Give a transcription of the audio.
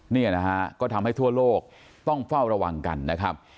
เนี่ยนะฮะก็ทำให้ทั่วโลกต้องเฝ้าระวังกันนะครับ